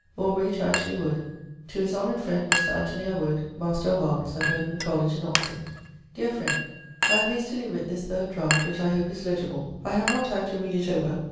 Aubrey to Anthony Wood. 'To his honoured friend Mr. Anthony à Wood, Master of Arts, at Merton College in Oxon. Deare friend! I have hastily writt this third draught, which I hope is legible: I have not time to read it over.